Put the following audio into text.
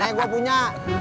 nah yang gue punya